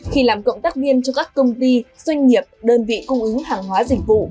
khi làm cộng tác viên cho các công ty doanh nghiệp đơn vị cung ứng hàng hóa dịch vụ